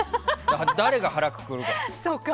誰が腹をくくるかです。